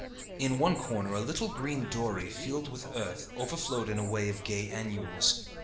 In one corner a little green dory, filled with earth, overflowed in a wave of gay annuals.